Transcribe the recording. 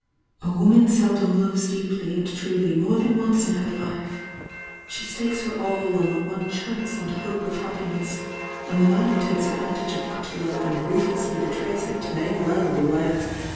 A woman seldom loves deeolv and truly more than once in her Hfo she stakes her all on the one chance and h of happinws and thfi jnan who takes advantage of thatTove and ru h lessly betrays it may well beware.